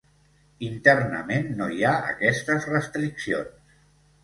Internament no hi ha aquestes restriccions.